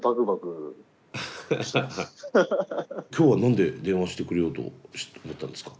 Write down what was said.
今日は何で電話してくれようと思ったんですか？